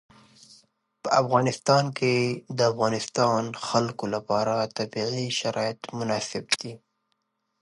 په افغانستان کې د د افغانستان خلکو لپاره طبیعي شرایط مناسب دي.